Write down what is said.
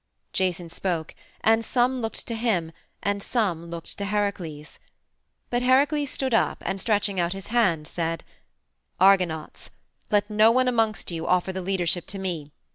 Jason spoke, and some looked to him and some looked to Heracles. But Heracles stood up, and, stretching out his hand, said: "Argonauts! Let no one amongst you offer the leadership to me.